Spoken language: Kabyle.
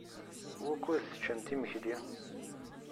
Wukud teččamt imekli?